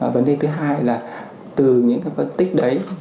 vấn đề thứ hai là từ những cái phân tích đấy